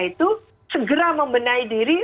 itu segera membenahi diri